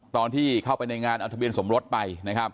ตอนที่เข้าไปในงานเอาทะเบียนสมรสไปนะครับ